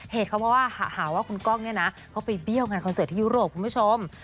เหตุเขาเพราะว่าหาว่าคุณก้องเนี่ยนะเขาไปเบี้ยวงานคอนเสิร์ตที่ยุโรปคุณผู้ชม